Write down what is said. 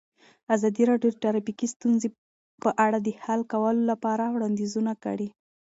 ازادي راډیو د ټرافیکي ستونزې په اړه د حل کولو لپاره وړاندیزونه کړي.